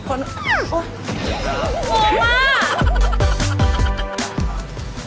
โอ้ยหอมมาก